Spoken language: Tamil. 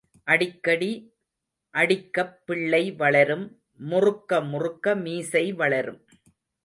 அடிக்க அடிக்கப் பிள்ளை வளரும் முறுக்க முறுக்க மீசை வளரும்.